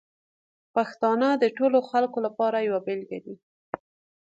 پښتانه د ټولو خلکو لپاره یوه بېلګه دي.